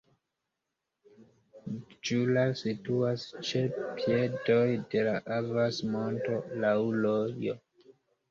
Djula situas ĉe piedoj de la Avas-monto, laŭ rojo.